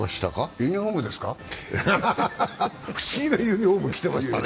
ユニフォームですか、不思議なユニフォーム着てましたね。